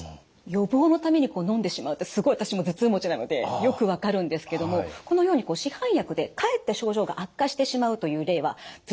予防のためにのんでしまうってすごい私も頭痛持ちなのでよく分かるんですけどもこのように市販薬でかえって症状が悪化してしまうという例は頭痛以外にもあるんです。